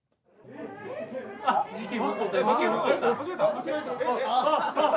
間違えた？